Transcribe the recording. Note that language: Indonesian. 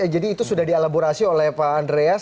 jadi itu sudah dialaborasi oleh pak andreas